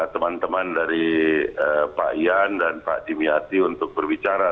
teman teman dari pak ian dan pak dimyati untuk berbicara